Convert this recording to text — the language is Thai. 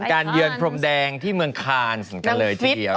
เยือนพรมแดงที่เมืองคานกันเลยทีเดียว